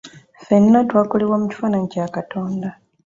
Fenna twakolebwa mu kifaananyi kya Katonda.